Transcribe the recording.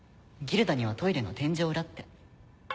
ギルダにはトイレの天井裏って。